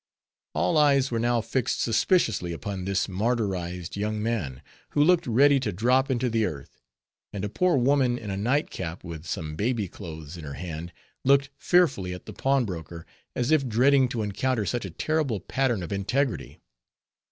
All eyes were now fixed suspiciously upon this martyrized young man; who looked ready to drop into the earth; and a poor woman in a night cap, with some baby clothes in her hand, looked fearfully at the pawnbroker, as if dreading to encounter such a terrible pattern of integrity.